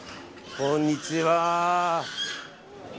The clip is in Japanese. こんにちは。